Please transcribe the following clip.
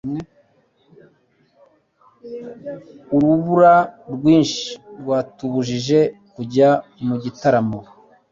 urubura rwinshi rwatubujije kujya mu gitaramo